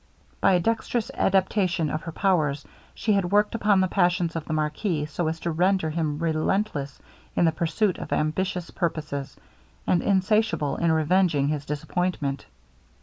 By a dextrous adaptation of her powers, she had worked upon the passions of the marquis so as to render him relentless in the pursuit of ambitious purposes, and insatiable in revenging his disappointment.